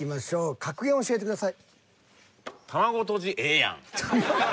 格言を教えてください。